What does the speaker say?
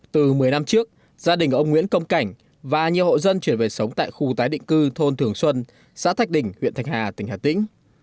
từ một mươi năm trước gia đình ông nguyễn công cảnh và nhiều hộ dân chuyển về sống tại khu tái định cư thôn thường xuân xã thạch đỉnh huyện thạch hà tỉnh hà tĩnh